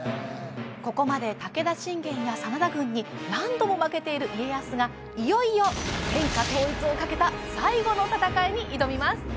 ここまで武田信玄や真田軍に何度も負けている家康がいよいよ天下統一を懸けた最後の戦いに挑みます！